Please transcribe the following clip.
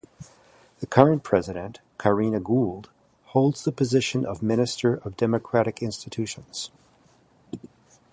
The current President, Karina Gould, holds the position of Minister of Democratic Institutions.